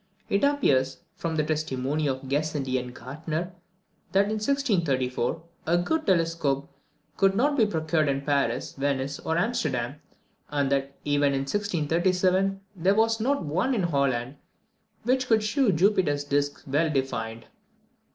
It appears, from the testimony of Gassendi and Gærtner, that, in 1634, a good telescope could not be procured in Paris, Venice, or Amsterdam; and that, even in 1637, there was not one in Holland which could shew Jupiter's disc well defined.